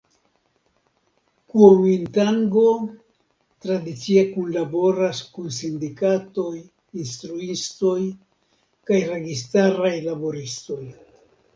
Kuomintango tradicie kunlaboras kun sindikatoj, instruistoj kaj registaraj laboristoj.